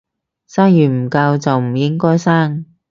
生完唔教就唔應該生